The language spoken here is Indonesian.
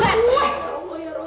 jangan galak lah pak